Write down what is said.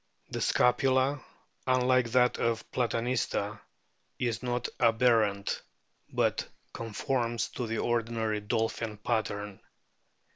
The scapula, unlike that of Platanista, is not aberrant, but conforms to the ordinary dolphin pattern.